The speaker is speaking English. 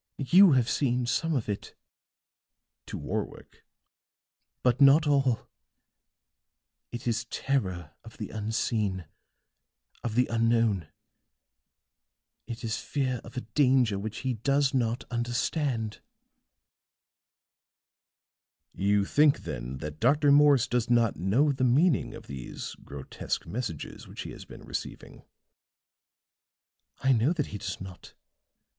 You have seen some of it," to Warwick, "but not all. It is terror of the unseen, of the unknown. It is fear of a danger which he does not understand." "You think, then, that Dr. Morse does not know the meaning of these grotesque messages which he has been receiving?" "I know that he does not.